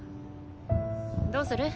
どうする？